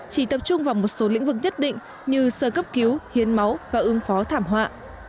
chỉ tập trung vào một số lĩnh vực nhất định như sơ cấp cứu hiến máu và ứng phó thảm họa